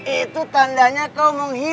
itu tandanya kau menghina